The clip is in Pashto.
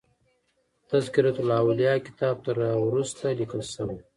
تذکرة الاولیاء کتاب تر را وروسته لیکل شوی.